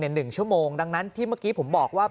หนึ่งชั่วโมงดังนั้นที่เมื่อกี้ผมบอกว่า